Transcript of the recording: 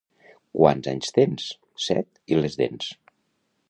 —Quants anys tens? —Set i les dents.